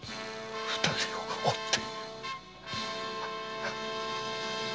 二人を追って。